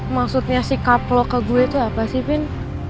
maksudnya sikap lo ke gue itu apa sih bin